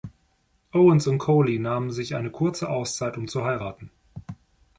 Owens und Coley nahmen sich eine kurze Auszeit um zu heiraten.